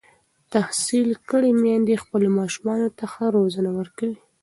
تحصیل کړې میندې خپلو ماشومانو ته ښه روزنه ورکوي.